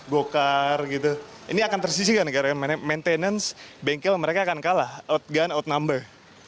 gokar ini akan tersisih kan karena maintenance bengkel mereka akan kalah outgun outnumber